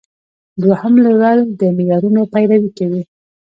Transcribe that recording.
دوهم لیول د معیارونو پیروي کوي.